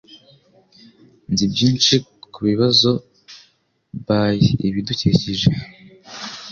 Nzi byinshi kubibazo by ibidukikije